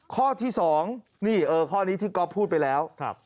ข้อที่๒นี่ข้อนี้ที่ก๊อฟพูดไปแล้ว